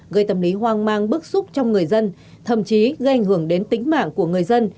gây tâm lý hoang mang bức xúc trong người dân thậm chí gây ảnh hưởng đến tính mạng của người dân